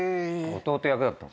弟役だったの。